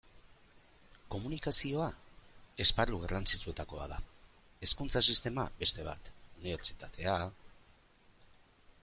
Komunikazioa esparru garrantzitsuetako bat da, hezkuntza sistema beste bat, unibertsitatea...